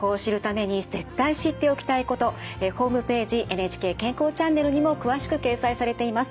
「ＮＨＫ健康チャンネル」にも詳しく掲載されています。